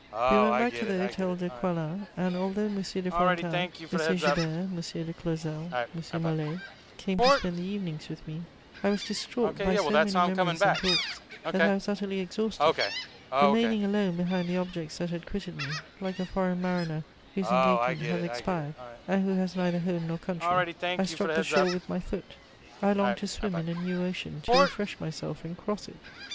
We went back to the Hôtel de Coislin, and although M. de Fontanes, M. Joubert, M. de Clausel, M. Molé came to spend the evenings with me, I was distraught by so many memories and thoughts that I was utterly exhausted. Remaining alone behind the objects that had quitted me, like a foreign mariner whose engagement has expired, and who has neither home nor country, I struck the shore with my foot; I longed to swim in a new ocean to refresh myself and cross it.